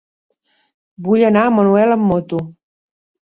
Vull anar a Manuel amb moto.